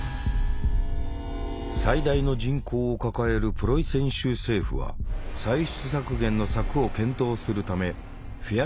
最大の人口を抱えるプロイセン州政府は歳出削減の策を検討するためフェア